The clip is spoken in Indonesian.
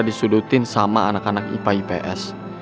disudutin sama anak anak ipa ips